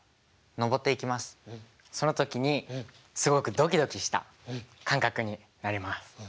その時にすごくドキドキした感覚になります。